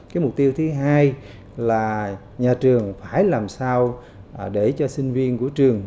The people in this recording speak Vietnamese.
cái mục tiêu thứ hai là nhà trường phải làm sao để cho sinh viên của trường